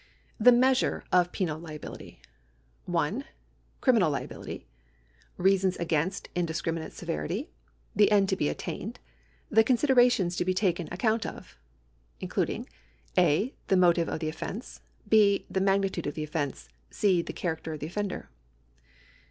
The Measure of Penal Liability. 1. Criminal liability. Reasons against indiscriminate severity. The end to be attained. The considerations to be taken account of. (a) The motive of the offence. (6) The magnitude of the offence. (c) The character of the offender.